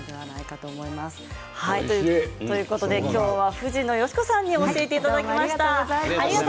藤野嘉子さんに教えていただきました。